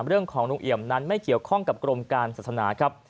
เรื่องของลุงเอี่ยมนั้นไม่เกี่ยวข้องกับกรมการศาสนาครับ